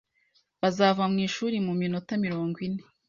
Bazava mu ishuri mu minota mirongo ine.